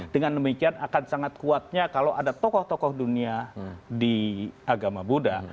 dengan demikian akan sangat kuatnya kalau ada tokoh tokoh dunia di agama buddha